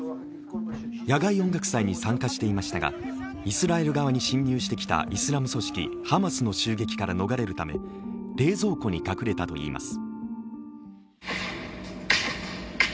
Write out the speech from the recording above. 野外音楽祭に参加していましたが、イスラエル側に侵入してきたイスラム組織ハマスの襲撃から逃れるため冷蔵庫に隠れたといいます。